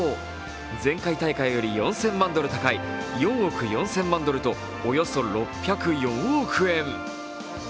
前回大会より４０００万ドル高い４億４０００万ドルとおよそ６０４億円。